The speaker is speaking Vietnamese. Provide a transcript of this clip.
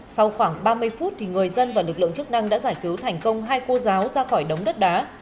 sau khoảng ba mươi phút người dân và lực lượng chức năng đã giải cứu thành công hai cô giáo ra khỏi đống đất đá